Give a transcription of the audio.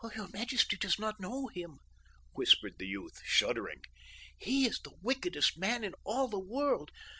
"Your majesty does not know him," whispered the youth, shuddering. "He is the wickedest man in all the world.